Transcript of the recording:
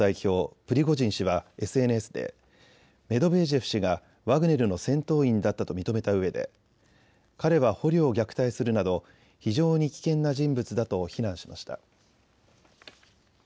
プリゴジン氏はＳＮＳでメドベージェフ氏がワグネルの戦闘員だったと認めたうえで彼は捕虜を虐待するなど非常に危険な人物だと非難しました。